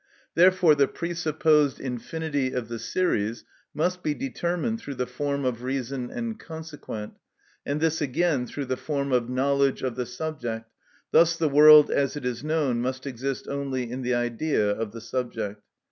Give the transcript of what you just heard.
Therefore, the presupposed infinity of the series must be determined through the form of reason and consequent, and this again through the form of knowledge of the subject; thus the world as it is known must exist only in the idea of the subject.